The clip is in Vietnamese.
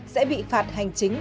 sẽ bị phạt hành chính